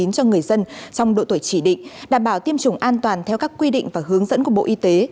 cho người dân trong độ tuổi chỉ định đảm bảo tiêm chủng an toàn theo các quy định và hướng dẫn của bộ y tế